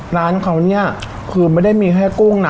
ร้านเขาเนี่ยคือไม่ได้มีแค่กุ้งนะ